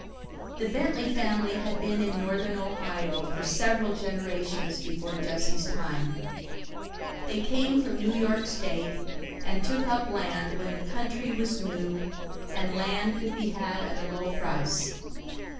The Bentley family had been in Northern Ohio for several generations before Jesse's time. They came from New York State and took up land when the country was new and land could be had at a low price.